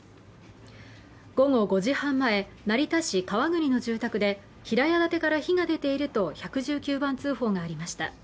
午後５時半前、成田市川栗の住宅で平屋建てから火が出ていると１１９番通報がありました。